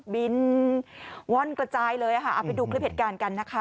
บินว่อนกระจายเลยค่ะเอาไปดูคลิปเหตุการณ์กันนะคะ